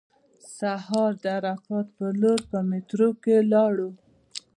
سهار د عرفات په لور په میټرو کې ولاړو.